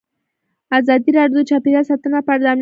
ازادي راډیو د چاپیریال ساتنه په اړه د امنیتي اندېښنو یادونه کړې.